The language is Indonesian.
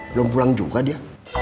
belum pulang juga dia